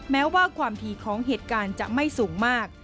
แม้ว่าความถี่ของเหตุการณ์จะไม่สูงมาก